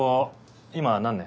今何年？